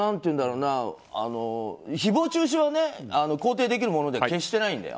誹謗中傷は肯定できるものじゃ決してないんだよ。